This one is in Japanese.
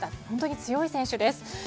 本当に強い選手です。